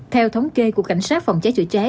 theo thống kê của cảnh sát phòng cháy chữa cháy